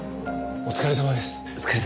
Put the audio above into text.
お疲れさまです。